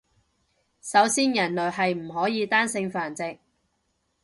首先人類係唔可以單性繁殖